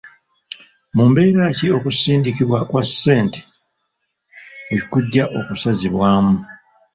Mu mbeera ki okusindikibwa kwa ssente we kujja okusazibwamu?